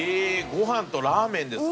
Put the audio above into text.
ご飯とラーメンですか。